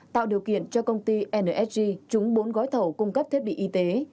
tạo điều kiện cho công ty nsg trúng bốn gói thầu cung cấp thiết bị y tế